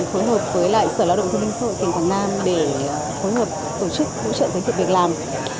phối hợp với lại sở lao động thương minh xã hội tỉnh quảng nam để phối hợp tổ chức hỗ trợ giới thiệu việc làm